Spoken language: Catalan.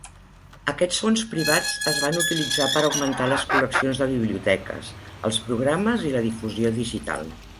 Aquests fons privats es van utilitzar per augmentar les col·leccions de biblioteques, els programes i la difusió digital.